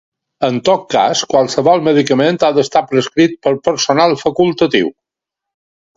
En tot cas, qualsevol medicament ha d'estar prescrit per personal facultatiu.